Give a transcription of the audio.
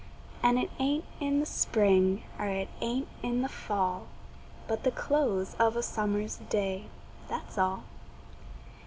An' it ain't in the spring er it ain't in the fall, But the close of a summer's day, That's all.